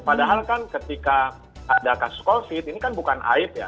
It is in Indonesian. padahal kan ketika ada kasus covid ini kan bukan aib ya